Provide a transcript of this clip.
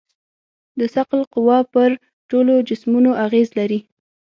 د ثقل قوه پر ټولو جسمونو اغېز لري.